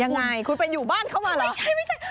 ยังไงคุณไปอยู่บ้านเข้ามาเหรอใช่ไม่ใช่